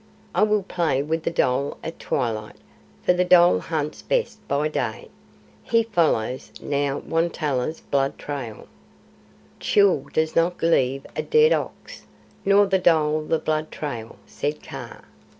I will play with the dhole at twilight, for the dhole hunts best by day. He follows now Won tolla's blood trail." "Chil does not leave a dead ox, nor the dhole the blood trail," said Kaa.